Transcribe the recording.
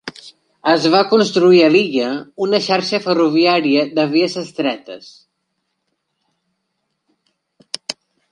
Es va construir a l'illa una xarxa ferroviària de vies estretes.